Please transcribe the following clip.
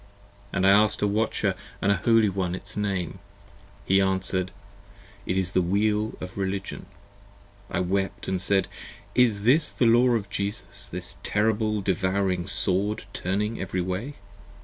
And I asked a Watcher & a Holy One Its Name? he answered: It is the Wheel of Religion. 55 I wept & said: Is this the law of Jesus, This terrible devouring sword turning every way?